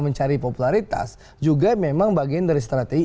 mencari popularitas juga memang bagian dari strategi